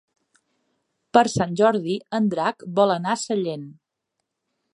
Per Sant Jordi en Drac vol anar a Sallent.